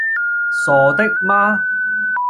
傻的嗎?